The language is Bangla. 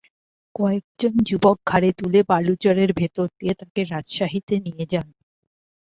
কয়েকজন যুবক ঘাড়ে তুলে বালুচরের ভেতর দিয়ে তাঁকে রাজশাহীতে নিয়ে যান।